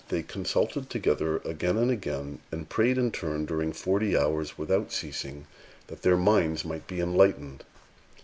They consulted together again and again, and prayed in turn during forty hours without ceasing, that their minds might be enlightened.